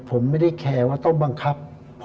ผมไม่ได้แคร์ว่าต้องบังคับ